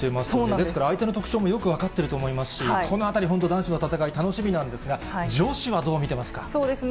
ですから相手の特徴もよく分かってると思いますし、このあたり、本当に男子の戦い楽しみなんですが、女子はどう見てますか。